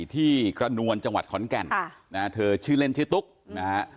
ที่กระนวลจังหวัดขอนแก่นเธอชื่อเล่นชื่อตุ๊กนะฮะ